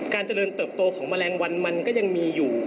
เจริญเติบโตของแมลงวันมันก็ยังมีอยู่